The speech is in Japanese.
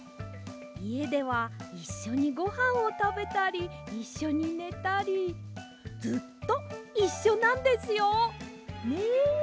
いえではいっしょにごはんをたべたりいっしょにねたりずっといっしょなんですよ。ね。